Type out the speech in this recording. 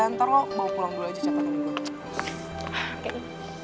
ntar lo bawa pulang dulu aja catatan gue